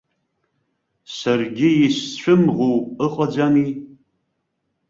Саргьы исцәымӷу ыҟаӡами?!